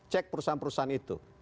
cek perusahaan perusahaan itu